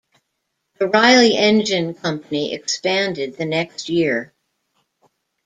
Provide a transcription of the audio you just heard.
The Riley Engine Company expanded the next year.